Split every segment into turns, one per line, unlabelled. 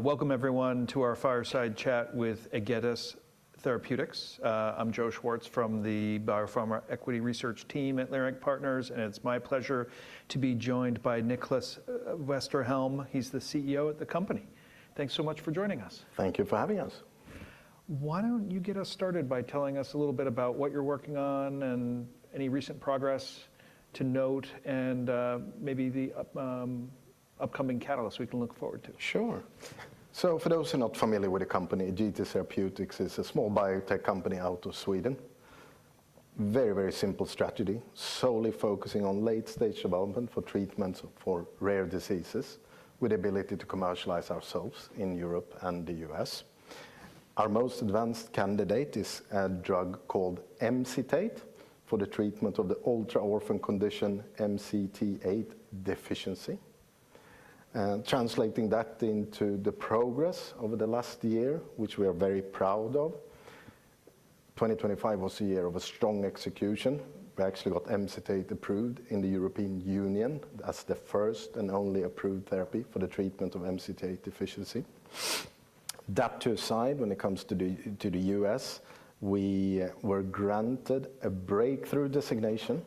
Welcome everyone to our fireside chat with Egetis Therapeutics. I'm Joe Schwartz from the biopharma equity research team at Leerink Partners, and it's my pleasure to be joined by Nicklas Westerholm. He's the CEO of the company. Thanks so much for joining us.
Thank you for having us.
Why don't you get us started by telling us a little bit about what you're working on and any recent progress to note and maybe the upcoming catalysts we can look forward to?
Sure. For those who are not familiar with the company, Egetis Therapeutics is a small biotech company out of Sweden. Very, very simple strategy, solely focusing on late-stage development for treatments for rare diseases with the ability to commercialize ourselves in Europe and the U.S. Our most advanced candidate is a drug called Emcitate for the treatment of the ultra-orphan condition, MCT8 deficiency. Translating that into the progress over the last year, which we are very proud of, 2025 was a year of strong execution. We actually got Emcitate approved in the European Union as the first and only approved therapy for the treatment of MCT8 deficiency. That, too, aside, when it comes to the U.S., we were granted a breakthrough designation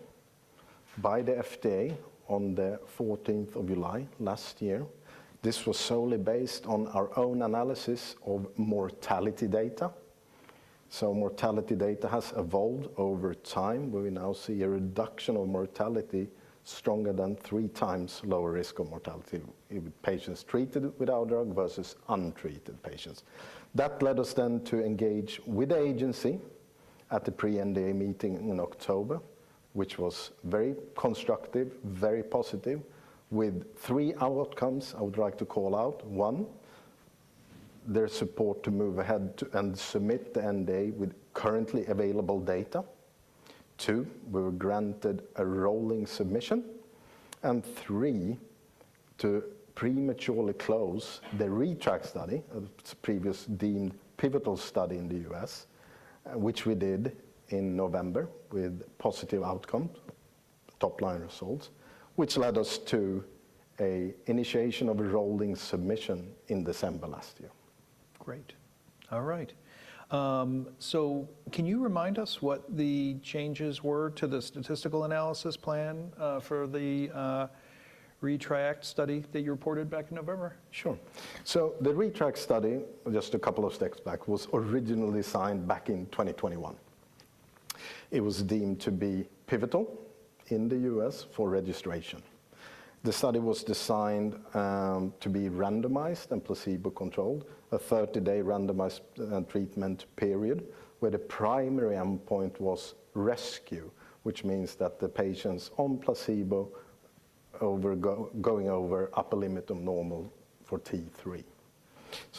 by the FDA on the fourteenth of July last year. This was solely based on our own analysis of mortality data. Mortality data has evolved over time, where we now see a reduction of mortality stronger than 3 times lower risk of mortality in patients treated with our drug versus untreated patients. That led us then to engage with the agency at the pre-NDA meeting in October, which was very constructive, very positive, with 3 outcomes I would like to call out. 1, their support to move ahead to, and submit the NDA with currently available data. 2, we were granted a rolling submission. And 3, to prematurely close the ReTRIACt study, our previously deemed pivotal study in the US, which we did in November with positive outcome, top-line results, which led us to an initiation of a rolling submission in December last year.
Great. All right. Can you remind us what the changes were to the statistical analysis plan for the ReTRIACt study that you reported back in November?
Sure. The ReTRIACt study, just a couple of steps back, was originally signed back in 2021. It was deemed to be pivotal in the U.S. for registration. The study was designed to be randomized and placebo-controlled, a 30-day randomized treatment period, where the primary endpoint was rescue, which means that the patients on placebo going over upper limit of normal for T3.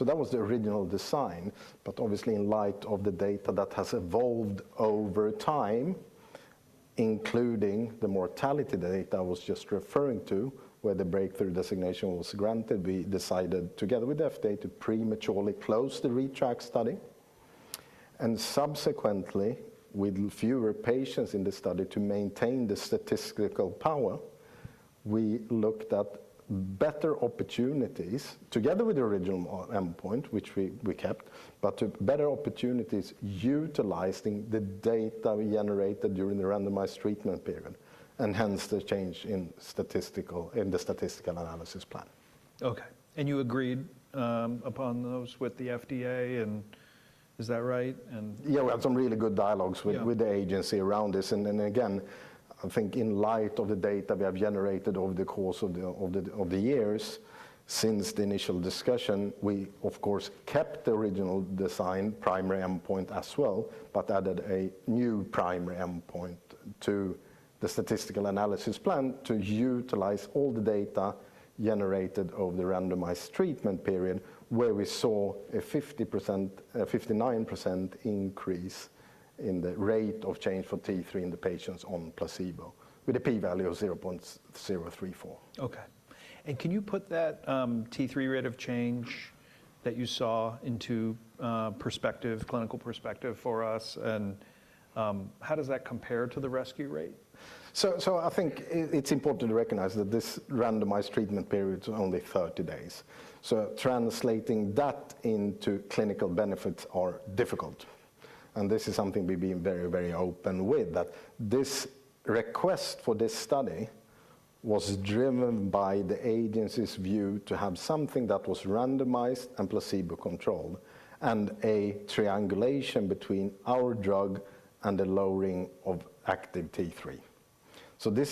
That was the original design. Obviously in light of the data that has evolved over time, including the mortality data I was just referring to, where the breakthrough designation was granted, we decided together with FDA to prematurely close the ReTRIACt study. Subsequently, with fewer patients in the study to maintain the statistical power, we looked at better endpoints together with the original endpoint, which we kept, but to better endpoints utilizing the data we generated during the randomized treatment period, and hence the change in the statistical analysis plan.
Okay. You agreed upon those with the FDA, and is that right?
Yeah, we had some really good dialogues.
Yeah.
With the agency around this. Then again, I think in light of the data we have generated over the course of the years since the initial discussion, we of course kept the original design primary endpoint as well, but added a new primary endpoint to the statistical analysis plan to utilize all the data generated over the randomized treatment period where we saw a 59% increase in the rate of change for T3 in the patients on placebo with a P value of 0.034.
Okay. Can you put that T3 rate of change that you saw into perspective, clinical perspective for us? How does that compare to the rescue rate?
I think it's important to recognize that this randomized treatment period is only 30 days. Translating that into clinical benefits are difficult. This is something we've been very, very open with, that this request for this study was driven by the agency's view to have something that was randomized and placebo-controlled, and a triangulation between our drug and the lowering of active T3.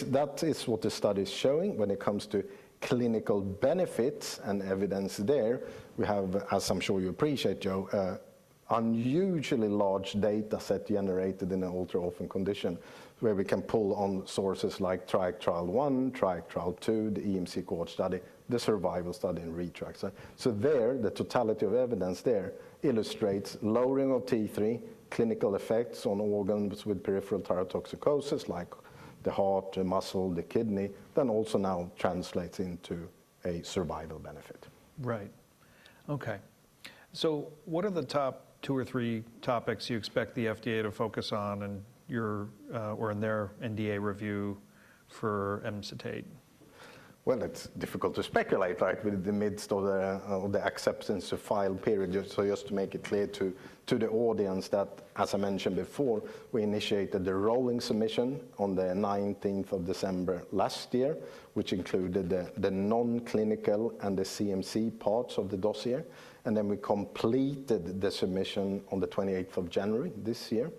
That is what the study is showing when it comes to clinical benefits and evidence there. We have, as I'm sure you appreciate, Joe, unusually large data set generated in an ultra-orphan condition where we can pull on sources like Triac Trial I, Triac Trial II, the EMC Cohort Study, the survival study, and ReTRIACt. The totality of evidence there illustrates lowering of T3, clinical effects on organs with peripheral thyrotoxicosis like the heart, the muscle, the kidney, then also now translates into a survival benefit.
Right. Okay. What are the top two or three topics you expect the FDA to focus on in your or in their NDA review for Emcitate?
Well, it's difficult to speculate, right? In the midst of the acceptance for filing period. Just to make it clear to the audience that, as I mentioned before, we initiated the rolling submission on the 19th of December last year, which included the non-clinical and the CMC parts of the dossier. Then we completed the submission on the 28th of January this year.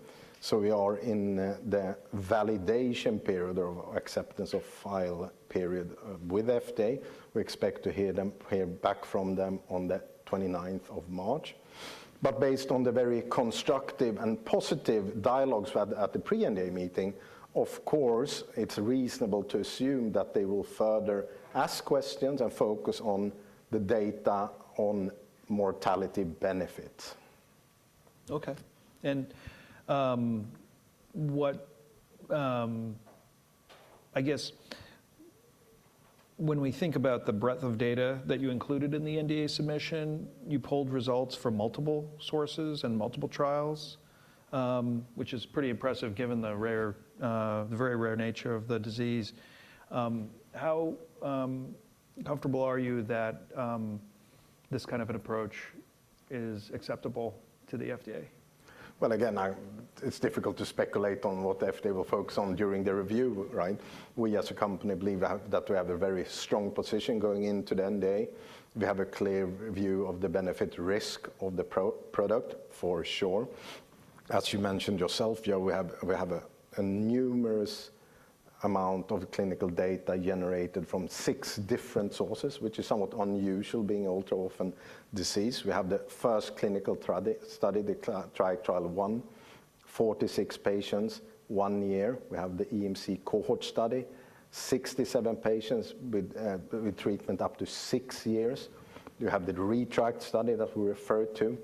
We are in the validation period or acceptance for filing period with FDA. We expect to hear back from them on the 29th of March. Based on the very constructive and positive dialogues we had at the pre-NDA meeting, of course, it's reasonable to assume that they will further ask questions and focus on the data on mortality benefits.
Okay. I guess when we think about the breadth of data that you included in the NDA submission, you pulled results from multiple sources and multiple trials, which is pretty impressive given the very rare nature of the disease. How comfortable are you that this kind of an approach is acceptable to the FDA?
Well, again, it's difficult to speculate on what FDA will focus on during the review, right? We, as a company, believe that we have a very strong position going into the NDA. We have a clear view of the benefit-risk of the product, for sure. As you mentioned yourself, yeah, we have a numerous amount of clinical data generated from 6 different sources, which is somewhat unusual being ultra-orphan disease. We have the first clinical trial, the Triac Trial I, 46 patients, 1 year. We have the EMC Cohort Study, 67 patients with treatment up to 6 years. You have the ReTRIACt study that we referred to.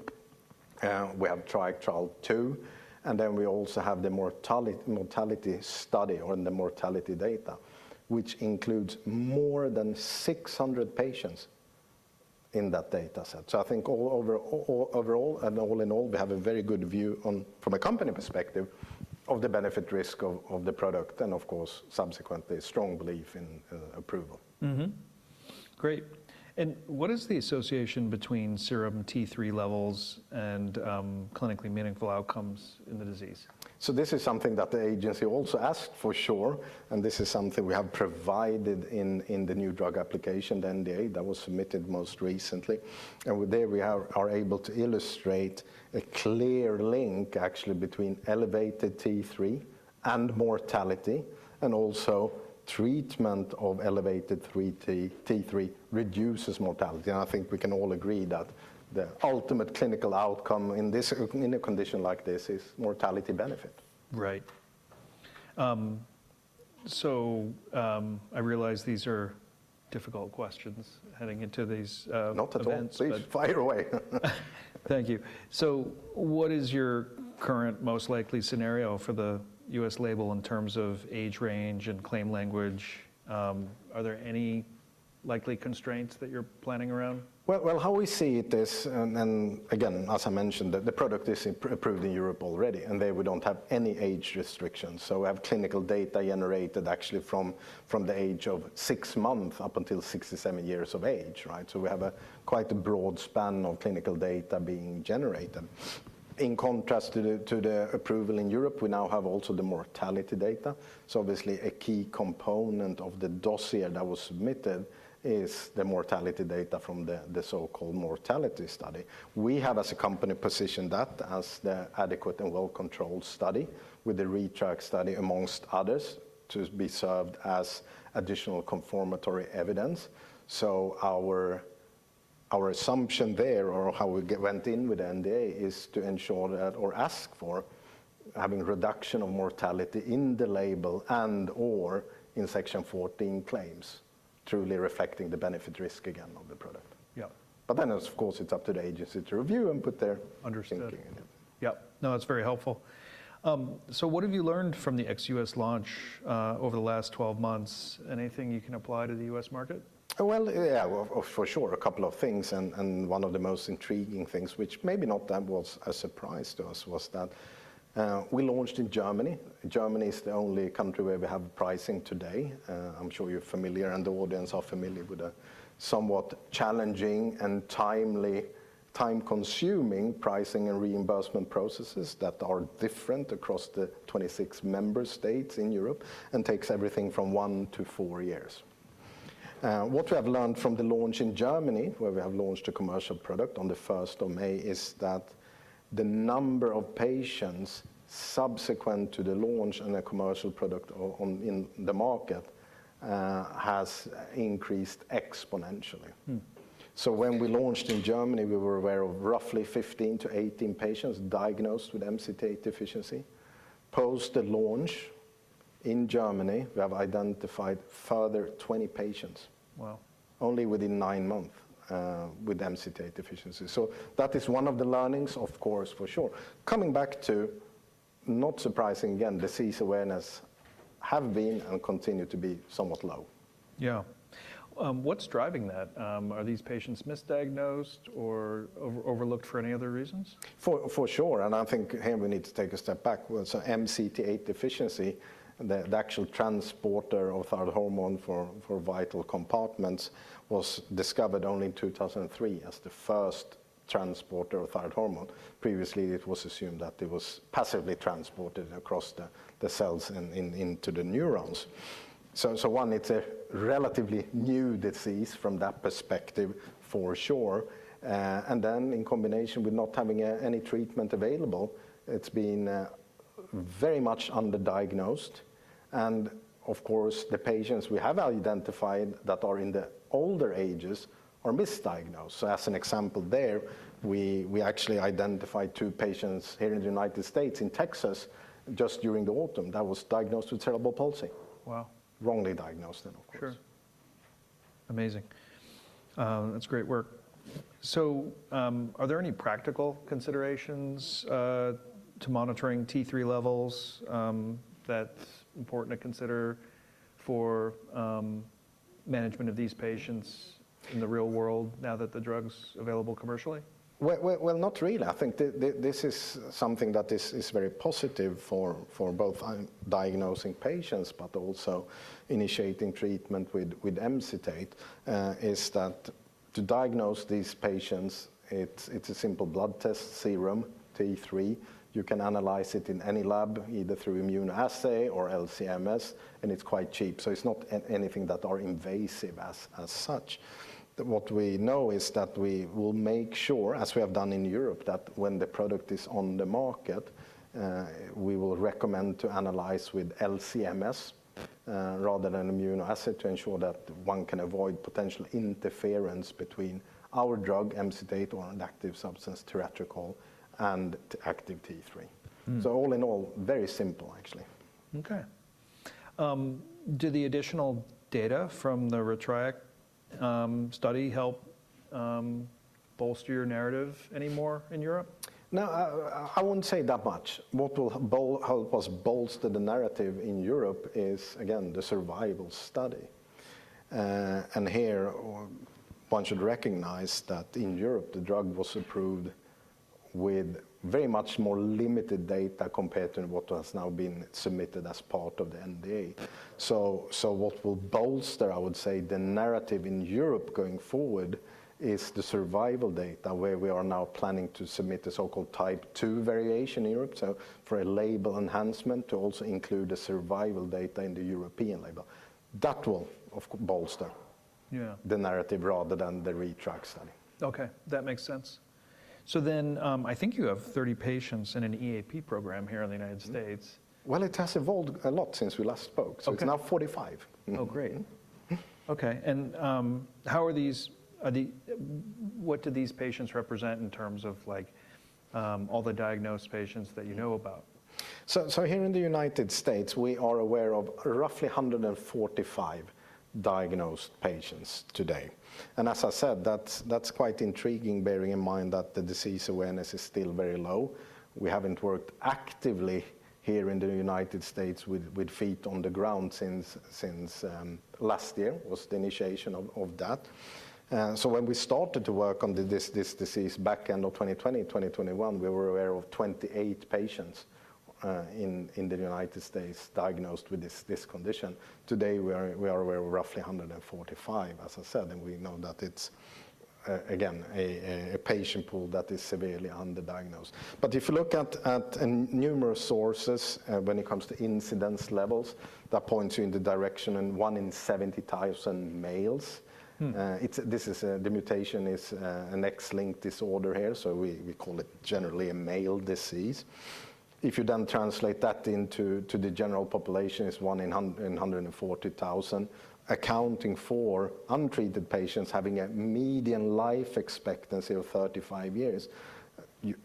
We have Triac Trial II, and then we also have the mortality study or the mortality data, which includes more than 600 patients in that data set. I think overall and all in all, we have a very good view on, from a company perspective, of the benefit risk of the product and of course, subsequently, strong belief in approval.
Great. What is the association between serum T3 levels and clinically meaningful outcomes in the disease?
This is something that the agency also asked for sure, and this is something we have provided in the new drug application, the NDA, that was submitted most recently. There we are able to illustrate a clear link actually between elevated T3 and mortality, and also treatment of elevated T3 reduces mortality. I think we can all agree that the ultimate clinical outcome in this, in a condition like this is mortality benefit.
Right. I realize these are difficult questions heading into these events.
Not at all. Please fire away.
Thank you. What is your current most likely scenario for the U.S. label in terms of age range and claim language? Are there any likely constraints that you're planning around?
Well, how we see this and again, as I mentioned, the product is approved in Europe already, and there we don't have any age restrictions. We have clinical data generated actually from the age of 6 months up until 67 years of age, right? We have quite a broad span of clinical data being generated. In contrast to the approval in Europe, we now have also the mortality data. Obviously a key component of the dossier that was submitted is the mortality data from the so-called mortality study. We have, as a company, positioned that as the adequate and well-controlled study with the ReTRIACt study amongst others to serve as additional confirmatory evidence. Our assumption there or how we went in with NDA is to ensure that or ask for having reduction of mortality in the label and/or in Section 14 claims truly reflecting the benefit-risk profile of the product.
Yeah.
Of course, it's up to the agency to review and put their.
Understood.
Thinking in it.
Yep. No, that's very helpful. What have you learned from the ex-U.S. launch over the last 12 months? Anything you can apply to the U.S. market?
Well, yeah, for sure. A couple of things and one of the most intriguing things, which maybe not that was a surprise to us, was that we launched in Germany. Germany is the only country where we have pricing today. I'm sure you're familiar and the audience are familiar with the somewhat challenging and timely, time-consuming pricing and reimbursement processes that are different across the 26 member states in Europe and takes everything from 1 to 4 years. What we have learned from the launch in Germany, where we have launched a commercial product on the first of May, is that the number of patients subsequent to the launch and a commercial product on, in the market, has increased exponentially. When we launched in Germany, we were aware of roughly 15-18 patients diagnosed with MCT8 deficiency. Post the launch in Germany, we have identified further 20 patients.
Wow.
Only within nine months with MCT8 deficiency. That is one of the learnings, of course, for sure. Coming back to, not surprising again, disease awareness have been and continue to be somewhat low.
Yeah. What's driving that? Are these patients misdiagnosed or overlooked for any other reasons?
For sure, I think here we need to take a step backwards. MCT8 deficiency, the actual transporter of thyroid hormone for vital compartments, was discovered only in 2003 as the first transporter of thyroid hormone. Previously, it was assumed that it was passively transported across the cells and into the neurons. One, it's a relatively new disease from that perspective, for sure. Then in combination with not having any treatment available, it's been very much underdiagnosed. Of course, the patients we have identified that are in the older ages are misdiagnosed. As an example there, we actually identified 2 patients here in the United States, in Texas, just during the autumn, that was diagnosed with cerebral palsy.
Wow.
Wrongly diagnosed then, of course.
Sure. Amazing. That's great work. Are there any practical considerations to monitoring T3 levels that's important to consider for management of these patients in the real world now that the drug's available commercially?
Well, not really. I think this is something that is very positive for both diagnosing patients, but also initiating treatment with Emcitate, is that to diagnose these patients, it's a simple blood test serum T3. You can analyze it in any lab, either through immunoassay or LC-MS, and it's quite cheap. It's not anything that are invasive as such. What we know is that we will make sure, as we have done in Europe, that when the product is on the market, we will recommend to analyze with LC-MS rather than immunoassay to ensure that one can avoid potential interference between our drug, Emcitate, or an active substance, tiratricol, and active T3. All in all, very simple, actually.
Do the additional data from the ReTRIACt study help bolster your narrative any more in Europe?
No, I wouldn't say that much. What will help us bolster the narrative in Europe is, again, the survival study. Here one should recognize that in Europe, the drug was approved with very much more limited data compared to what has now been submitted as part of the NDA. What will bolster, I would say, the narrative in Europe going forward is the survival data, where we are now planning to submit the so-called Type II variation in Europe. For a label enhancement to also include the survival data in the European label. That will bolster.
Yeah.
The narrative rather than the ReTRIACt study.
Okay, that makes sense. I think you have 30 patients in an EAP program here in the United States.
Well, it has evolved a lot since we last spoke.
Okay.
It's now 45.
Great. Okay, what do these patients represent in terms of like, all the diagnosed patients that you know about?
Here in the United States, we are aware of roughly 145 diagnosed patients today. As I said, that's quite intriguing bearing in mind that the disease awareness is still very low. We haven't worked actively here in the United States with feet on the ground since last year was the initiation of that. When we started to work on this disease back end of 2021, we were aware of 28 patients in the United States diagnosed with this condition. Today, we are aware of roughly 145, as I said, and we know that it's again a patient pool that is severely underdiagnosed. If you look at numerous sources, when it comes to incidence levels, that points you in the direction in 1 in 70,000 males. The mutation is an X-linked disorder here, so we call it generally a male disease. If you then translate that into the general population, it's one in 140,000, accounting for untreated patients having a median life expectancy of 35 years.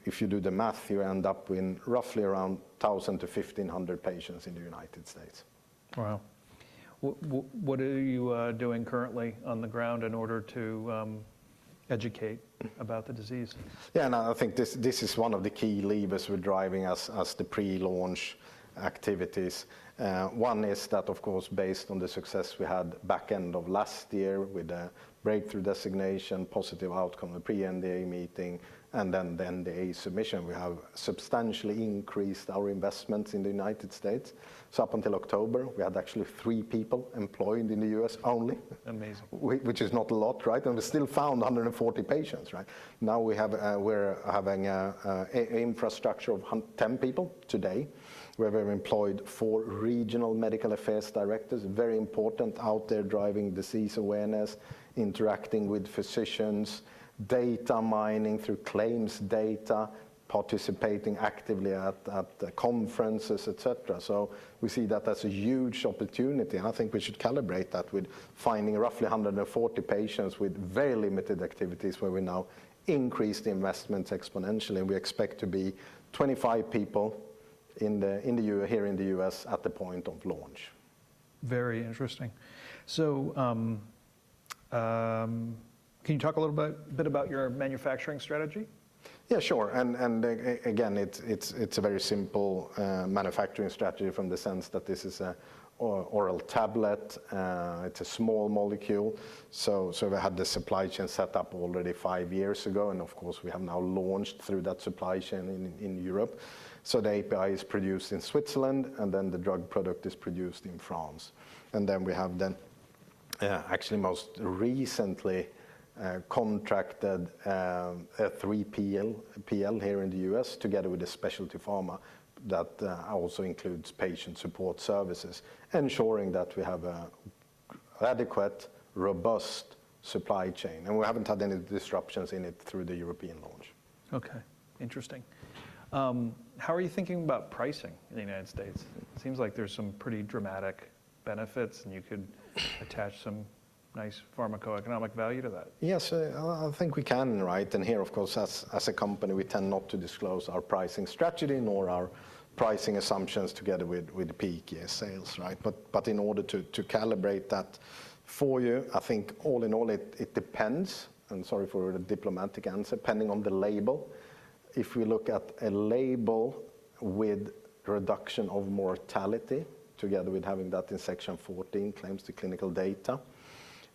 If you do the math, you end up with roughly around 1,000-1,500 patients in the United States.
Wow. What are you doing currently on the ground in order to educate about the disease?
Yeah, no, I think this is one of the key levers we're driving as the pre-launch activities. One is that, of course, based on the success we had back end of last year with the breakthrough designation, positive outcome of the pre-NDA meeting, and then the NDA submission, we have substantially increased our investments in the United States. Up until October, we had actually three people employed in the U.S. only.
Amazing.
Which is not a lot, right? We still found 140 patients, right? Now we have an infrastructure of 10 people today. We have four regional medical affairs directors, very important out there driving disease awareness, interacting with physicians, data mining through claims data, participating actively at conferences, et cetera. We see that as a huge opportunity, and I think we should calibrate that with finding roughly 140 patients with very limited activities where we now increase the investments exponentially, and we expect to be 25 people here in the U.S. at the point of launch.
Very interesting. Can you talk a little bit about your manufacturing strategy?
Yeah, sure. It's a very simple manufacturing strategy in the sense that this is an oral tablet. It's a small molecule. We had the supply chain set up already five years ago, and of course, we have now launched through that supply chain in Europe. The API is produced in Switzerland, and then the drug product is produced in France. We have actually most recently contracted a 3PL here in the U.S. together with a specialty pharma that also includes patient support services, ensuring that we have an adequate, robust supply chain. We haven't had any disruptions in it through the European launch.
Okay. Interesting. How are you thinking about pricing in the United States? It seems like there's some pretty dramatic benefits, and you could attach some nice pharmacoeconomic value to that.
Yes. I think we can, right? Here, of course, as a company, we tend not to disclose our pricing strategy nor our pricing assumptions together with peak year sales, right? In order to calibrate that for you, I think all in all, it depends, and sorry for the diplomatic answer, depending on the label. If we look at a label with reduction of mortality together with having that in Section 14, claims to clinical data,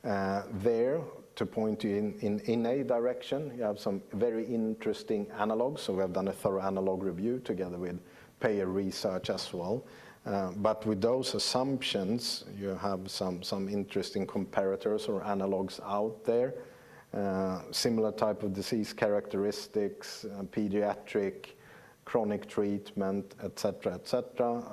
there to point you in a direction, you have some very interesting analogs. We have done a thorough analog review together with payer research as well. With those assumptions, you have some interesting comparators or analogs out there. Similar type of disease characteristics, pediatric, chronic treatment, et cetera.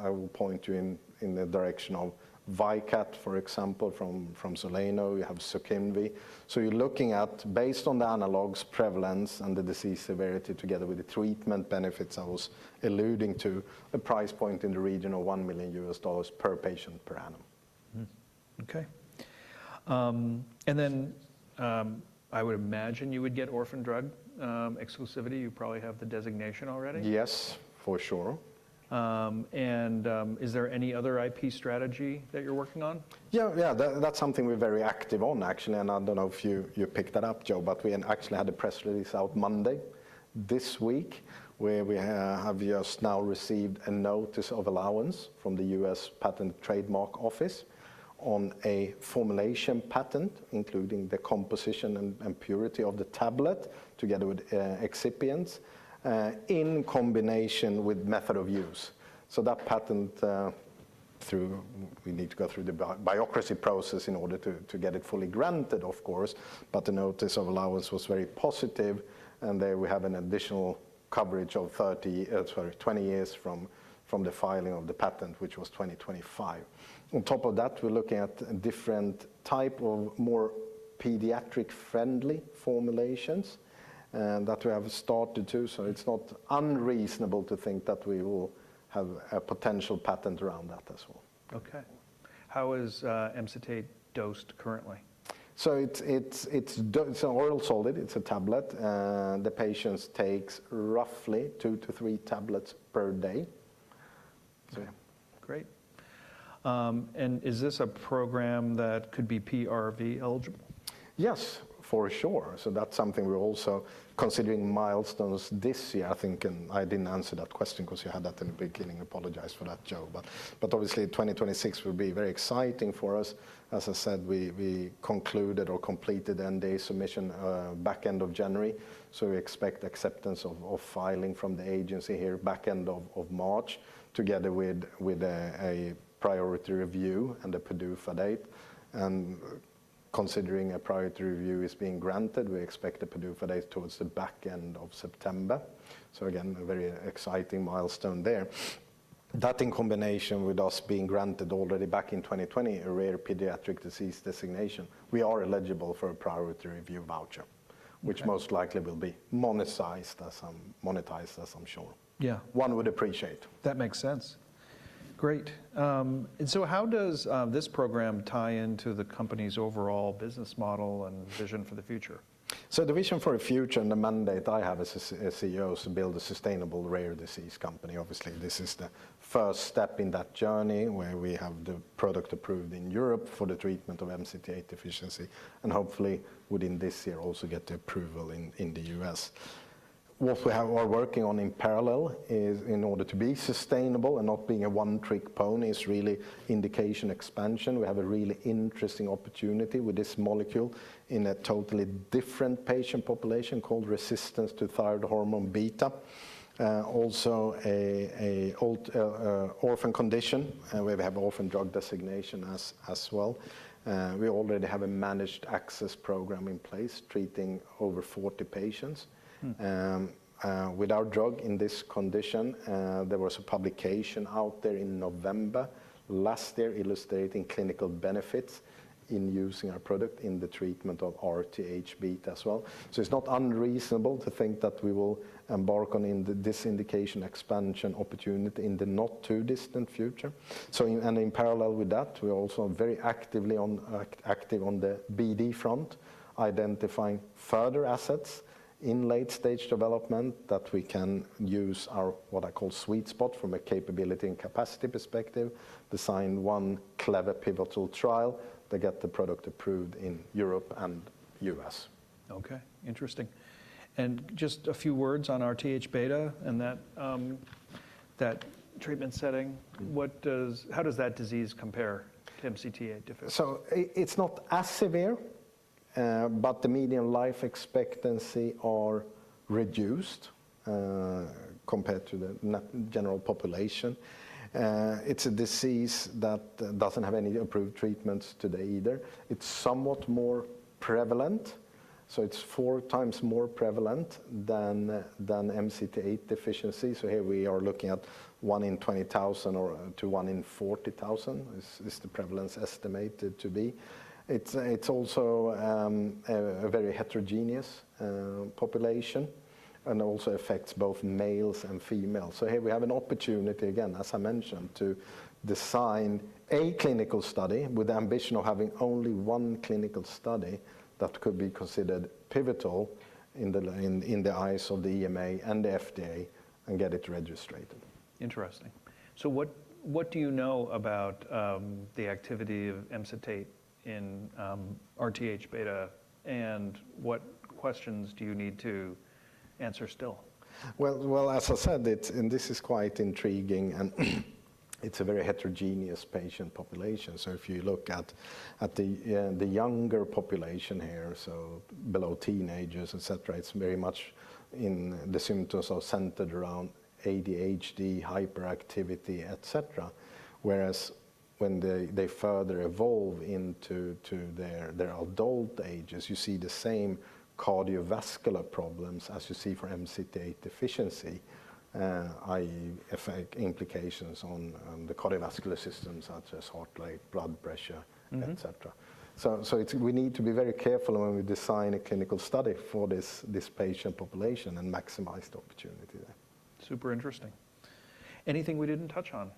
I will point you in the direction of VYKAT, for example, from Soleno Therapeutics. You have SKYCLARYS. You're looking at, based on the analog's prevalence and the disease severity together with the treatment benefits I was alluding to, a price point in the region of $1 million per patient per annum.
Okay. I would imagine you would get orphan drug exclusivity. You probably have the designation already.
Yes. For sure.
Is there any other IP strategy that you're working on?
Yeah, yeah. That's something we're very active on, actually. I don't know if you picked that up, Joe, but we actually had a press release out Monday this week where we have just now received a notice of allowance from the U.S. Patent and Trademark Office on a formulation patent, including the composition and purity of the tablet together with excipients in combination with method of use. That patent, we need to go through the bureaucracy process in order to get it fully granted, of course. The notice of allowance was very positive. There we have an additional coverage of 20 years from the filing of the patent, which was 2025. On top of that, we're looking at a different type of more pediatric-friendly formulations, and that we have started to. It's not unreasonable to think that we will have a potential patent around that as well.
Okay. How is Emcitate dosed currently?
It's an oral solid. It's a tablet. The patients takes roughly 2-3 tablets per day. Yeah.
Great. Is this a program that could be PRV eligible?
Yes, for sure. That's something we're also considering milestones this year, I think. I didn't answer that question 'cause you had that in the beginning. I apologize for that, Joe. Obviously, 2026 will be very exciting for us. As I said, we concluded or completed NDA submission back end of January. We expect acceptance of filing from the agency here back end of March together with a priority review and a PDUFA date. Considering a priority review is being granted, we expect a PDUFA date towards the back end of September. Again, a very exciting milestone there. That in combination with us being granted already back in 2020 a Rare Pediatric Disease Designation, we are eligible for a Priority Review Voucher.
Okay.
Which most likely will be monetized as, I'm sure.
Yeah.
One would appreciate.
That makes sense. Great. How does this program tie into the company's overall business model and vision for the future?
The vision for the future and the mandate I have as a CEO is to build a sustainable rare disease company. Obviously, this is the first step in that journey where we have the product approved in Europe for the treatment of MCT8 deficiency, and hopefully, within this year, also get the approval in the U.S. What we are working on in parallel is, in order to be sustainable and not being a one-trick pony, really indication expansion. We have a really interesting opportunity with this molecule in a totally different patient population called Resistance to Thyroid Hormone Beta, also an old orphan condition, where we have orphan drug designation as well. We already have a Managed Access Program in place treating over 40 patients. With our drug in this condition, there was a publication out there in November last year illustrating clinical benefits in using our product in the treatment of RTH-β as well. It's not unreasonable to think that we will embark on this indication expansion opportunity in the not too distant future. In parallel with that, we are also very active on the BD front, identifying further assets in late-stage development that we can use our what I call sweet spot from a capability and capacity perspective design one clever pivotal trial to get the product approved in Europe and U.S.
Okay, interesting. Just a few words on RTH-β and that treatment setting. How does that disease compare to MCT8 deficiency?
It's not as severe, but the median life expectancy are reduced, compared to the general population. It's a disease that doesn't have any approved treatments today either. It's somewhat more prevalent, so it's four times more prevalent than MCT8 deficiency. Here we are looking at 1 in 20,000 or to 1 in 40,000 is the prevalence estimated to be. It's also a very heterogeneous population and also affects both males and females. Here we have an opportunity again, as I mentioned, to design a clinical study with the ambition of having only one clinical study that could be considered pivotal in the eyes of the EMA and the FDA and get it registered.
Interesting. What do you know about the activity of MCT8 in RTH beta, and what questions do you need to answer still?
Well, as I said, this is quite intriguing, and it's a very heterogeneous patient population. If you look at the younger population here, so below teenagers, et cetera, it's very much the symptoms are centered around ADHD, hyperactivity, etc. Whereas when they further evolve into their adult ages, you see the same cardiovascular problems as you see for MCT8 deficiency, i.e. effect implications on the cardiovascular systems such as heart, like blood pressure. We need to be very careful when we design a clinical study for this patient population and maximize the opportunity there.
Super interesting. Anything we didn't touch on?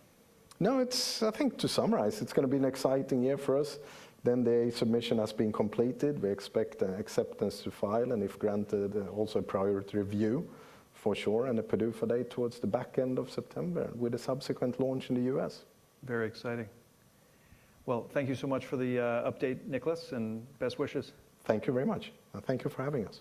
No. It's I think to summarize, it's gonna be an exciting year for us. The submission has been completed. We expect an acceptance to file and if granted, also a priority review for sure, and a PDUFA date towards the back end of September with a subsequent launch in the US.
Very exciting. Well, thank you so much for the update, Niklas, and best wishes.
Thank you very much, and thank you for having us.